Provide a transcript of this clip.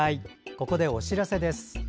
ここでお知らせです。